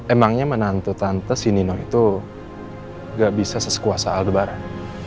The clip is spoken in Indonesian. emangnya menantu tante si nino itu gak bisa sesekuasa aldo barat